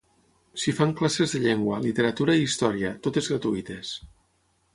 S'hi fan classes de llengua, literatura i història, totes gratuïtes.